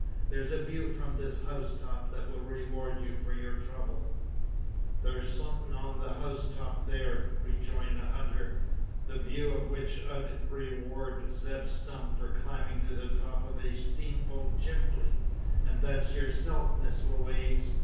There's a view from this housetop that will reward you for your trouble." "Thur's suthin' on the house top theear," rejoined the hunter, "the view o' which 'ud reward Zeb Stump for climbin' to the top o' a steamboat chimbly; 'an thet's yurself, Miss Lewaze.